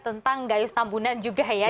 tentang garis tambunan juga ya